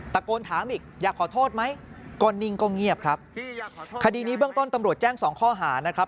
ตะโกนถามอีกอยากขอโทษไหมก็นิ่งก็เงียบครับคดีนี้เบื้องต้นตำรวจแจ้งสองข้อหานะครับ